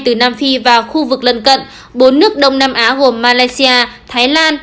từ nam phi vào khu vực lần cận bốn nước đông nam á gồm malaysia thái lan